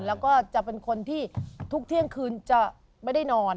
แล้วก็จะเป็นคนที่ทุกเที่ยงคืนจะไม่ได้นอน